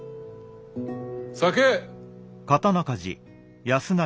酒！